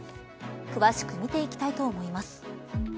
詳しく見ていきたいと思います。